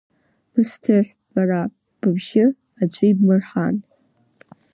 Бысҭыҳә, бара, быбжьы аӡәы ибмырҳан!